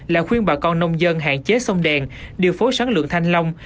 là khuyên bà con nông dân hạn chế sông đèn điều phối sản lượng thanh long